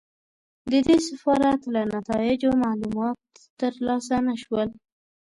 د دې سفارت له نتایجو معلومات ترلاسه نه شول.